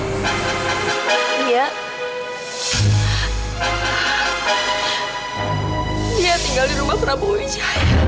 dia tinggal di rumah prabowo wijaya